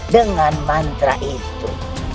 dengan mantra itu